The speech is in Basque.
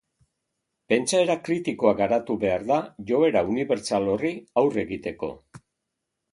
Pentsaera kritikoa garatu behar da joera unibertsal horri aurre egiteko.